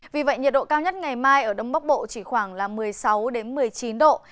vì vậy nhiệt độ cao nhất ngày mai ở đông bắc bộ chỉ khoảng là một mươi sáu một mươi chín độ